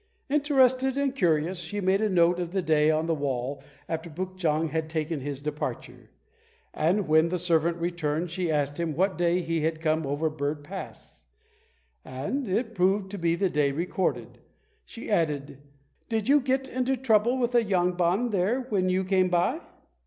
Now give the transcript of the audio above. Interested and curious, she made a note of the day on the wall after Puk chang had taken his departure, and when the servant returned, she asked him what day he had come over Bird Pass, and it proved to be the day recorded. She added also, "Did you get into trouble with a yangban there when you came by?"